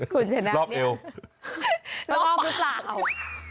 คุณชนะรอบเอวรอบปากรอบกุ๊ดสาว